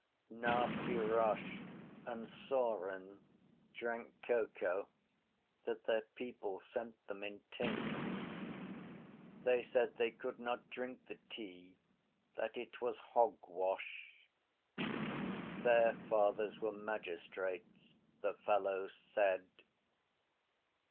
Nasty Roche and Saurin drank cocoa that their people sent them in tins. They said they could not drink the tea; that it was hogwash. Their fathers were magistrates, the fellows said.